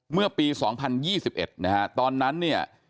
เมื่อปี๒๐๒๑นะฮะตอนนั้นเนี่ย